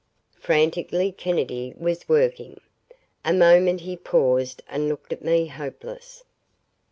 Frantically Kennedy was working. A moment he paused and looked at me hopeless.